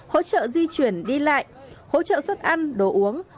hỗ trợ di chuyển đi lại hỗ trợ xuất ăn đồ uống